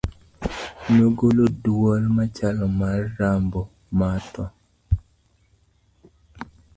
nogolo dwol machalo mar rombo ma tho